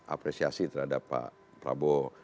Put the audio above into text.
apresiasi terhadap pak prabowo